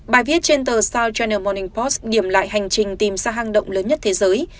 bài viết trên tờ south china morning post điểm lại hành trình tìm xa hang động lớn nhất thế giới